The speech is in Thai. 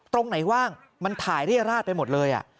ตรงไหนว่างมันถ่ายเรียราชไปหมดเลย